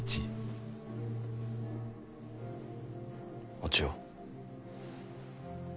お千代。